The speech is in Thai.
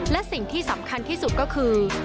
และสิ่งที่สำคัญที่สุดก็คือ